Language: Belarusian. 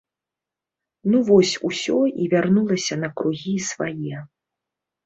Ну вось ўсё і вярнулася на кругі свае.